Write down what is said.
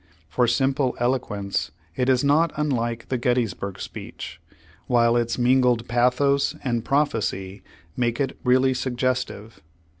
For simple eloquence it is not unlike the Gettysburg speech, while its mingled pathos and prophecy make it really suggestive.